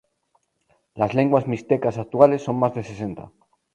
Las lenguas mixtecas actuales son más de sesenta.